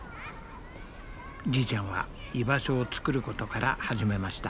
じいちゃんは居場所を作ることから始めました。